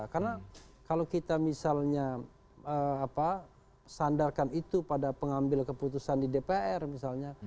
karena kalau kita misalnya sandarkan itu pada pengambil keputusan di dpr misalnya